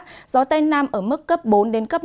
gió tây nam ở mức cấp bốn đến cấp năm